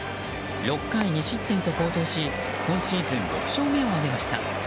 ６回２失点と好投し今シーズン６勝目を挙げました。